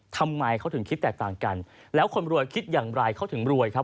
ทำไมเขาถึงคิดแตกต่างกันแล้วคนรวยคิดอย่างไรเขาถึงรวยครับ